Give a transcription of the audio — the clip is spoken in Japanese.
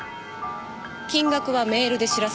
金額はメールで知らせる。